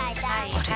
あれ？